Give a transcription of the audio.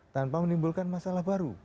tanpa menimbulkan masalah baru